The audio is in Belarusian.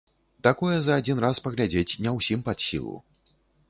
Такое за адзін раз паглядзець не ўсім пад сілу.